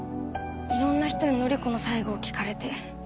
いろんな人に範子の最期を聞かれて。